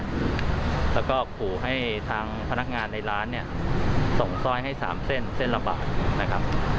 แล้วก็ขอให้ทางพนักงานในร้านส่งซ้อยให้๓เส้นเส้นระบาด